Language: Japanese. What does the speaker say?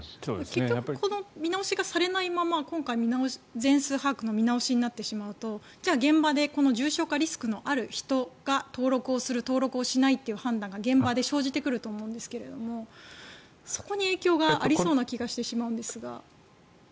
結局この見直しがされないまま今回、全数把握の見直しになってしまうとじゃあ、現場で重症化リスクのある人が登録をする登録をしないっていう判断が現場で生じてくると思うんですがそこに影響がありそうな気がしてしまうんですが。